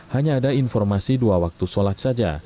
hanya ada informasi dua waktu sholat saja